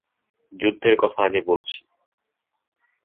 যুদ্ধের আগের কথা বলছি!